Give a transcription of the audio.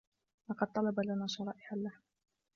لقد طلب لنا شرائح اللحم